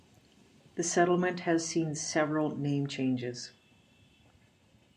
The settlement has seen several name changes.